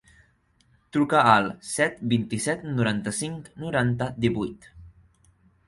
Truca al set, vint-i-set, noranta-cinc, noranta, divuit.